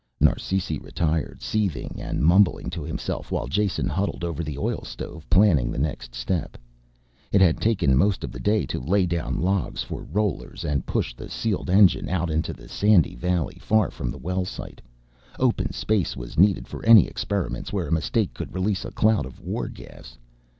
Narsisi retired, seething and mumbling to himself while Jason huddled over the oil stove planning the next step. It had taken most of the day to lay down logs for rollers and to push the sealed engine out into the sandy valley, far from the well site; open space was needed for any experiments where a mistake could release a cloud of war gas.